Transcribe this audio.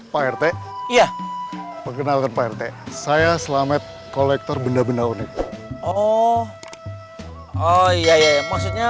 pak rt iya perkenalkan pak rt saya selamat kolektor benda benda unik oh iya iya maksudnya